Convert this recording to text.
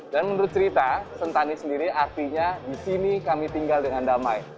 menurut cerita sentani sendiri artinya di sini kami tinggal dengan damai